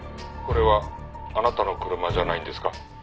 「これはあなたの車じゃないんですか？」